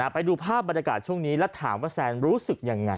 ไปดูภาพบรรยากาศช่วงนี้แล้วถามว่าแซนรู้สึกยังไง